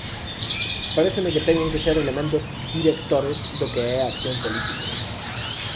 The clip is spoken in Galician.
Paréceme que teñen que ser elementos directores do que é a acción política.